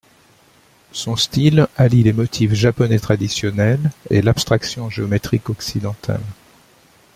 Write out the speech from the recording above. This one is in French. Son style allie les motifs japonais traditionnels et l'abstraction géométrique occidentale.